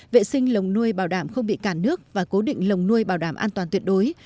vệ sinh lồng nuôi bảo đảm không bị cản nước và cố định lồng nuôi bảo đảm an toàn tuyệt đối